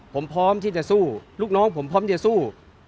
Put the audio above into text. ผมพร้อมที่จะสู้ลูกน้องผมพร้อมจะสู้